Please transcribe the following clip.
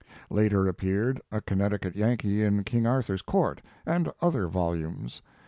I,ater appeared U A Connecticut Yankee in King Authur s Court," and other volumes.